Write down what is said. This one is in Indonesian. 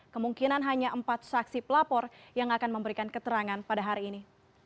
kemungkinan hanya empat saksi pelapor yang akan memberikan keterangan pada hari ini